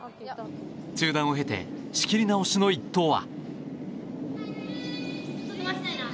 中断を経て仕切り直しの一投は。